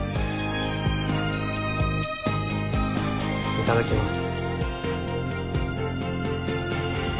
いただきます。